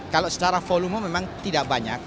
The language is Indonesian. kalau secara volume memang tidak banyak